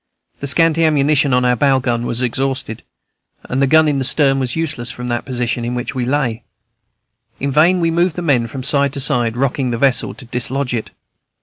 The scanty ammunition of our bow gun was exhausted, and the gun in the stern was useless, from the position in which we lay. In vain we moved the men from side to side, rocking the vessel, to dislodge it.